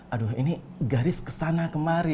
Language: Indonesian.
aduh ini garis kesana kemari